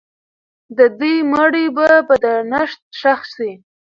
د دې مړي به په درنښت ښخ سي.